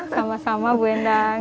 sama sama bu endang